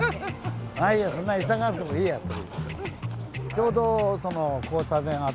まぁいいやそんな急がなくてもいいやって。